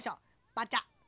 バチャッ。